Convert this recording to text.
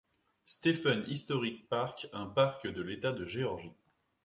Stephens Historic Park, un parc de l'État de Géorgie.